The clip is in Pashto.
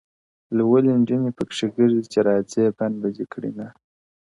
لولۍ نجوني پکښي ګرځي چي راځې بند به دي کړینه--!